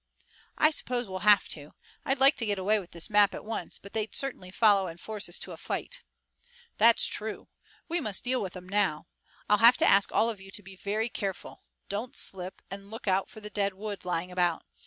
"I suppose we'll have to. I'd like to get away with this map at once, but they'd certainly follow and force us to a fight." "That's true. We must deal with 'em, now. I'll have to ask all of you to be very careful. Don't slip, and look out for the dead wood lying about.